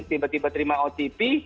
tiba tiba terima otp